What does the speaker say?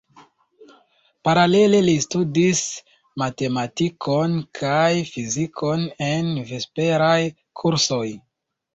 Paralele li studis matematikon kaj fizikon en vesperaj kursoj.